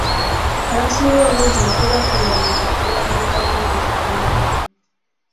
Abasinga obungi bwe tuba tuwandiika tuwandiika ekyo kye tumanyi.